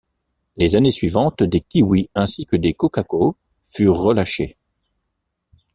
Les années suivantes, des kiwis ainsi que des kokakos furent relâchés.